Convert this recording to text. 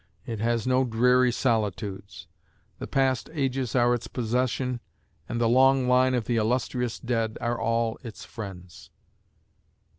It has no dreary solitudes. The past ages are its possession, and the long line of the illustrious dead are all its friends.